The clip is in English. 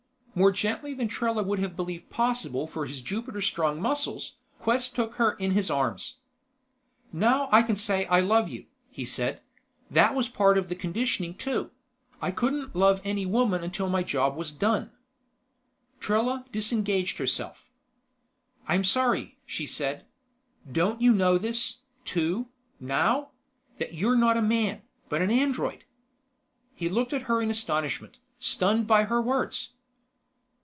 More gently than Trella would have believed possible for his Jupiter strong muscles, Quest took her in his arms. "Now I can say I love you," he said. "That was part of the conditioning too: I couldn't love any woman until my job was done." Trella disengaged herself. "I'm sorry," she said. "Don't you know this, too, now: that you're not a man, but an android?" He looked at her in astonishment, stunned by her words.